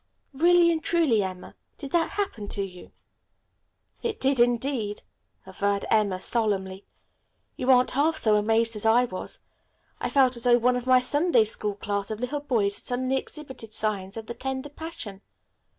"Really and truly, Emma, did that happen to you?" "It did, indeed," averred Emma solemnly. "You aren't half so amazed as I was. I felt as though one of my Sunday school class of little boys had suddenly exhibited signs of the tender passion.